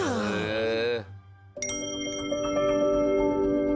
へえ。